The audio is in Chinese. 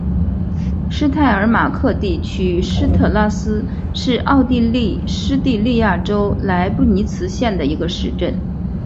施泰尔马克地区施特拉斯是奥地利施蒂利亚州莱布尼茨县的一个市镇。